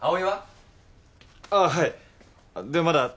はい。